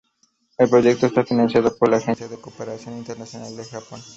El proyecto está financiado por la Agencia de Cooperación Internacional del Japón.